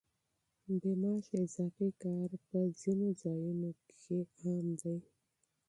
بې معاشه اضافي کار په ځینو ځایونو کې معمول دی.